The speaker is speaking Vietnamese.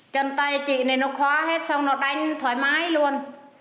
chân tay chị này nó khóa hết xong nó đánh thoải mái luôn